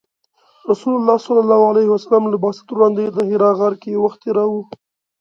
رسول الله ﷺ له بعثت وړاندې د حرا غار کې وخت تیراوه .